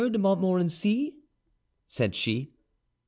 de Montmorency?" said she.